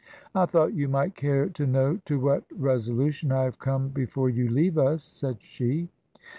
" I thought you might care to know to what resolu tion I have come before you leave us," said she.